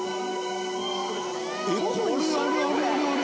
「えっあれ？